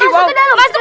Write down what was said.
masuk ke dalam